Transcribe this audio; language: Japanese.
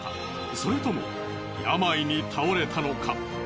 それとも病に倒れたのか？